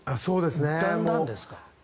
だんだんですか？